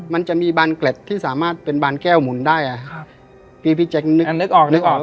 มันจะมีบานเกร็ดที่สามารถเป็นบานแก้วหมุนได้อ่ะครับพี่พี่แจ๊คนนึกออกนึกออก